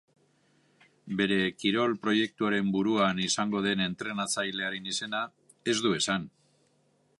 Bere kirol-proiektuaren buruan izango den entrenatzailearen izena ez du esan.